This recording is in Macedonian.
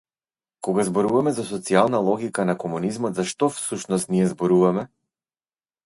Кога зборуваме за социјална логика на комунизмот, за што, всушност, ние зборуваме?